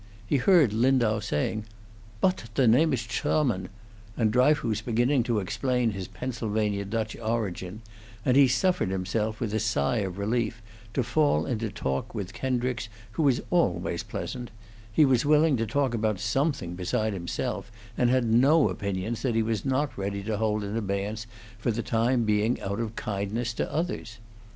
He heard Lindau saying, "Boat, the name is Choarman?" and Dryfoos beginning to explain his Pennsylvania Dutch origin, and he suffered himself, with a sigh of relief, to fall into talk with Kendricks, who was always pleasant; he was willing to talk about something besides himself, and had no opinions that he was not ready to hold in abeyance for the time being out of kindness to others.